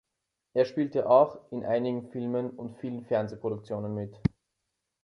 Er spielte auch in einigen Filmen und vielen Fernsehproduktionen mit.